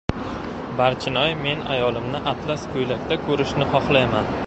— Barchinoy, men ayolimni atlas ko‘ylakda ko‘rishni xohlayman!